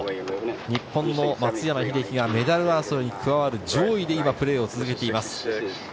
日本の松山英樹がメダル争いに加わる上位で今、プレーを続けています。